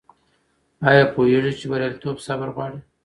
آیا پوهېږې چې بریالیتوب صبر غواړي؟